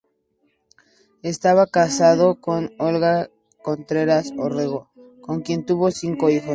Estaba casado con Olga Contreras Orrego, con quien tuvo cinco hijos.